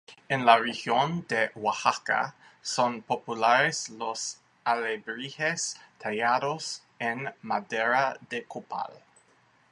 En la región de Oaxaca son populares los alebrijes tallados en madera de copal.